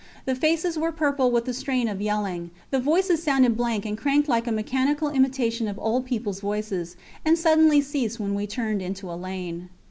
The faces were purple with the strain of yelling; the voices sounded blank and cracked like a mechanical imitation of old peoples voices; and suddenly ceased when we turned into a lane.